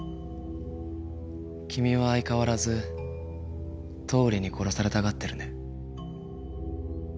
君は相変わらず倒理に殺されたがってるね。